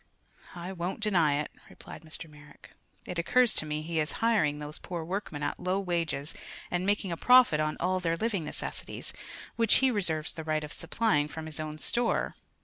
"I won't deny it," replied Mr. Merrick. "It occurs to me he is hiring those poor workmen at low wages and making a profit on all their living necessities, which he reserves the right of supplying from his own store.